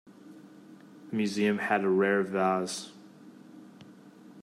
The museum had a rare Vase.